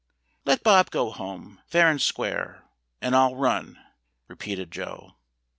"Let Bob go home, fair and square, and I'll run," repeated Joe.